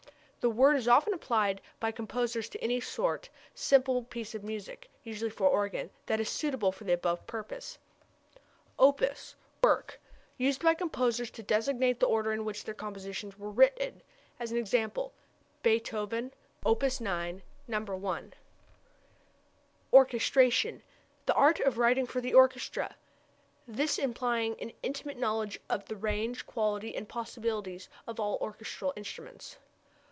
The word is often applied by composers to any short, simple piece of music (usually for organ) that is suitable for the above purpose. Opus work; used by composers to designate the order in which their compositions were written, as e.g., Beethoven, Op. 2, No. 1. Orchestration the art of writing for the orchestra, this implying an intimate knowledge of the range, quality, and possibilities of all the orchestral instruments.